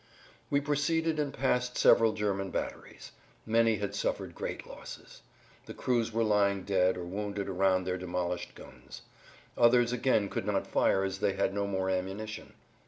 We proceeded and passed several German batteries. Many had suffered great losses. The crews were lying[Pg 87] dead or wounded around their demolished guns. Others again could not fire as they had no more ammunition.